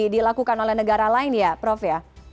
dilakukan oleh negara lain ya prof ya